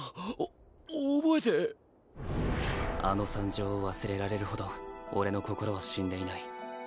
お覚えてあの惨状を忘れられるほど俺の心は死んでいない